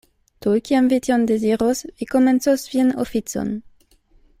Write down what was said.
Tuj kiam vi tion deziros, vi komencos vian oficon.